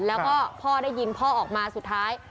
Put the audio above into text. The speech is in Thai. แล้วก็พ่อได้ยินพ่อออกมาสุดท้าย